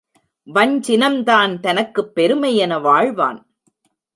வஞ்சினம்தான் தனக்குப் பெருமை என வாழ்வான்.